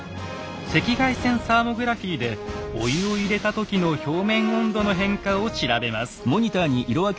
赤外線サーモグラフィーでお湯を入れた時の表面温度の変化を調べます。